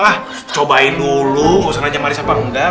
ah cobain dulu nggak usah nanya manis apa enggak